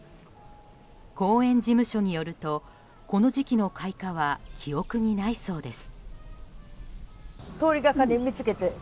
公園事務所によるとこの時期の開花は記憶にないそうです。